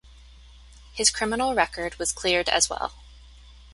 His criminal record was cleared as well.